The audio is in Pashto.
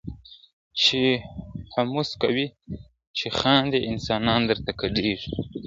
چي هوس کوې چي خاندې انسانان درته ګډیږي !.